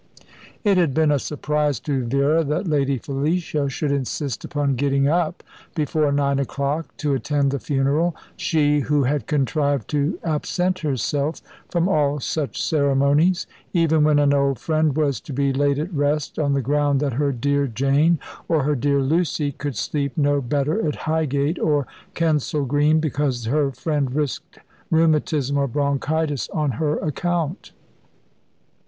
It had been a surprise to Vera that Lady Felicia should insist upon getting up before nine o'clock to attend the funeral; she who had contrived to absent herself from all such ceremonies, even when an old friend was to be laid at rest, on the ground that her dear Jane, or her dear Lucy, could sleep no better at Highgate or Kensal Green because her friend risked rheumatism or bronchitis on her account.